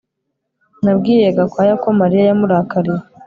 Nabwiye Gakwaya ko Mariya yamurakariye